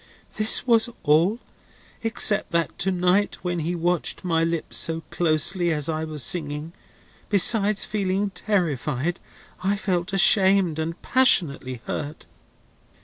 "This was all; except that to night when he watched my lips so closely as I was singing, besides feeling terrified I felt ashamed and passionately hurt.